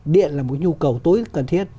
điện là một nhu cầu tối cần thiết